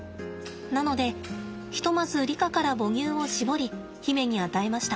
なのでひとまずリカから母乳を搾り媛に与えました。